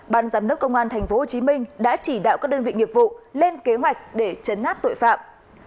ban giám đốc công an tp hcm đã chỉ đạo các đơn vị nghiệp vụ lên kế hoạch để chấn áp tội phạm